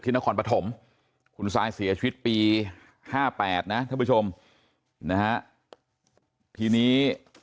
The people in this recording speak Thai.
นครปฐมคุณซายเสียชีวิตปี๕๘นะท่านผู้ชมนะฮะทีนี้